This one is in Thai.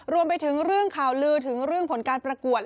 รวมไปถึงเรื่องข่าวลือถึงเรื่องผลการประกวด